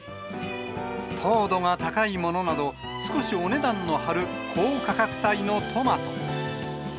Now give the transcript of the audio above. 糖度が高いものなど、少しお値段の張る高価格帯のトマト。